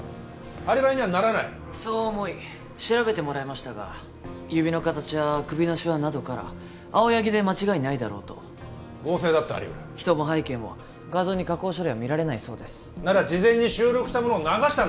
アリバイにはならないそう思い調べてもらいましたが指の形や首のシワなどから青柳で間違いないだろうと合成だってありうる人も背景も画像に加工処理は見られないそうですなら事前に収録したものを流したんだ